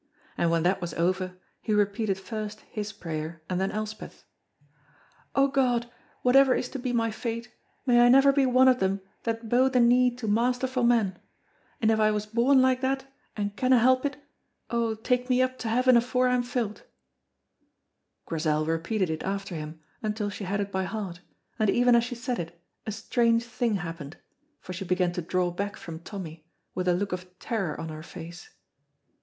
And when that was over, he repeated first his prayer and then Elspeth's, "O God, whatever is to be my fate, may I never be one of them that bow the knee to masterful man, and if I was born like that and canna help it, O take me up to heaven afore I'm fil't." Grizel repeated it after him until she had it by heart, and even as she said it a strange thing happened, for she began to draw back from Tommy, with a look of terror on her face.